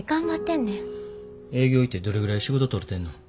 営業行ってどれぐらい仕事取れてんの？